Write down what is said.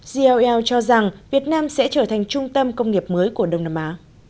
cl cho rằng việt nam sẽ trở thành trung tâm công nghiệp mới của đông nam á